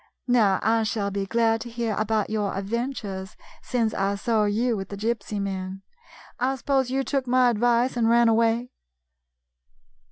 Now, I shall be glad to hear about your adventures since I saw 75 GYPSY, THE TALKING DOG you with the Gypsy men. I suppose you took my advice and ran away